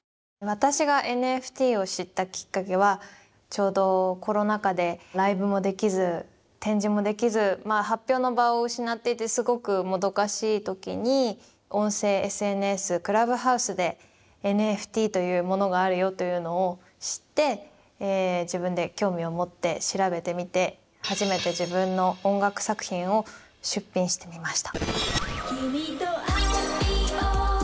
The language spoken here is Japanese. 私がＮＦＴを知ったきっかけはちょうどコロナ禍でライブもできず展示もできず発表の場を失っていてすごくもどかしい時に音声ＳＮＳクラブハウスでＮＦＴというものがあるよというのを知って自分で興味を持って調べてみて初めて自分の音楽作品を出品してみました。